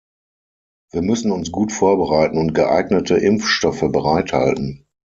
Wir müssen uns gut vorbereiten und geeignete Impfstoffe bereithalten.